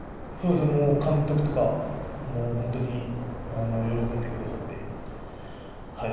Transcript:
監督とか喜んでくださって。